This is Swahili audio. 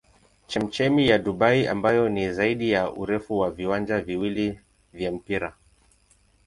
Chemchemi ya Dubai ambayo ni zaidi ya urefu wa viwanja viwili vya mpira.